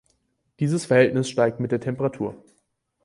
Dieses Verhältnis steigt mit der Temperatur.